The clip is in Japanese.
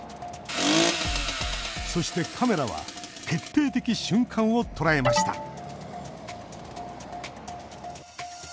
そしてカメラは決定的瞬間を捉えました。